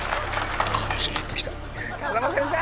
風間先生！